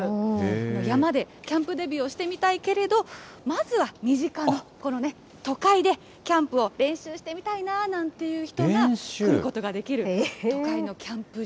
山でキャンプデビューをしてみたいけれど、まずは身近なこの都会でキャンプを練習してみたいななんていう人が来ることができる、都会のキャンプ場。